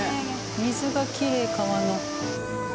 水がきれい川の。